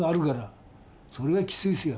それはきついですよ